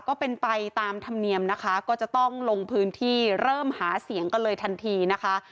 ก็เป็นไปตามธรรมเนียมนะคะก็จะต้องลงพื้นที่เริ่มหาเสียงกันเลยทันทีนะคะ